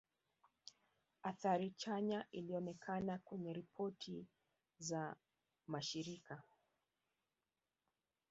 Athari chanya ilionekana kwenye ripoti za mashirika